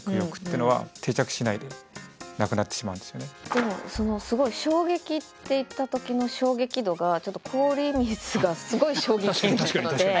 でもそのすごい衝撃っていった時の衝撃度がちょっと氷水が確かに確かに。